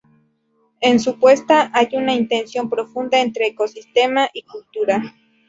En su propuesta hay una tensión profunda entre ecosistema y cultura.